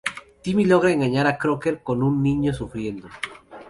Timmy logra engañar a Crocker con un "niño sufriendo".